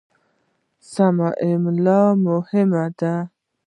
سمه املا مهمه ده.